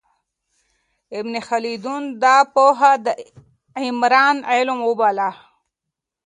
ابن خلدون دا پوهه د عمران علم وباله.